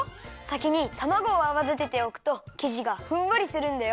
さきにたまごをあわだてておくときじがふんわりするんだよ。